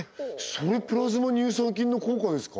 それプラズマ乳酸菌の効果ですか？